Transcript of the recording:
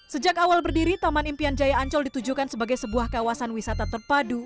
sejak awal berdiri taman impian jaya ancol ditujukan sebagai sebuah kawasan wisata terpadu